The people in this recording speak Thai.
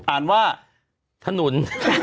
อ่านว่าถนน